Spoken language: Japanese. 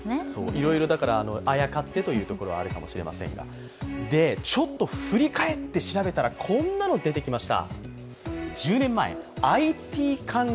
いろいろあやかってというところはあるかもしれませんが振り返って調べてみましたらこんなのが出てきました。